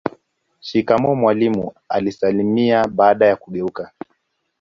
shikamoo mwalimu alisalimia baada ya kugeuka